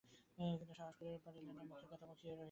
কিন্তু সাহস করিয়া পারিল না, মুখের কথা মুখেই রহিয়া গেল।